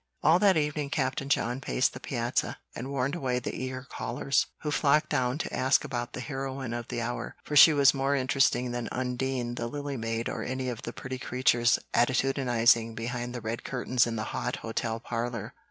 All that evening Captain John paced the piazza, and warned away the eager callers, who flocked down to ask about the heroine of the hour; for she was more interesting than Undine, the Lily Maid, or any of the pretty creatures attitudinizing behind the red curtains in the hot hotel parlor.